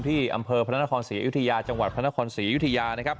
ที่อำเภอพระนครศรีอยุธยาจังหวัดพระนครศรีอยุธยานะครับ